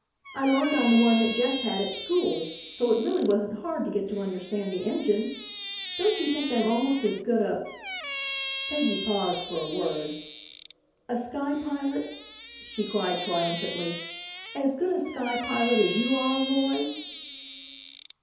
I learned on the one that Jess had at school, so it really wasn't hard to get to understand the engine. Don't you think I'm almost as good a " Peggy paused for a word "a sky pilot!" she cried triumphantly, "as good a sky pilot as you are, Roy?"